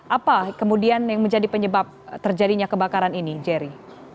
apa kemudian yang menjadi penyebab terjadinya kebakaran ini jerry